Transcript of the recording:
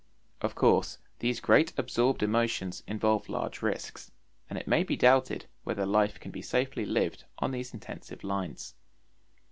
Of course these great absorbed emotions involve large risks; and it may be doubted whether life can be safely lived on these intensive lines.